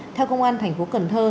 theo công an thành phố cần thơ